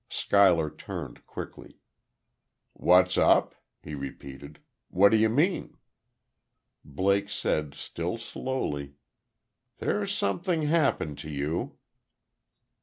Schuyler turned, quickly "What's up?" he repeated. "What do you mean?" Blake said, still slowly: "There's something happened to you."